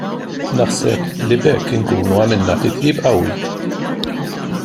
Naħseb li b'hekk inkunu għamilna titjib qawwi.